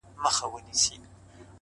په ځان وهلو باندي ډېر ستړی سو، شعر ليکي،